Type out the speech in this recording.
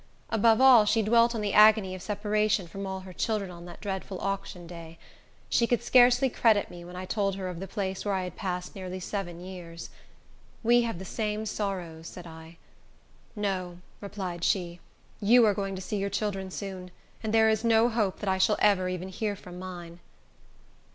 Above all, she dwelt on the agony of separation from all her children on that dreadful auction day. She could scarcely credit me, when I told her of the place where I had passed nearly seven years. "We have the same sorrows," said I. "No," replied she, "you are going to see your children soon, and there is no hope that I shall ever even hear from mine."